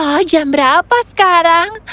oh jam berapa sekarang